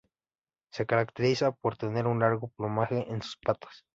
Se caracteriza por tener un largo plumaje en sus patas.